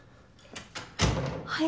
はい？